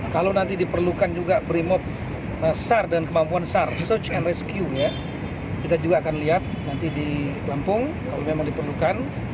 kalau nanti diperlukan juga brimop sar dan kemampuan sar search and rescue ya kita juga akan lihat nanti di lampung kalau memang diperlukan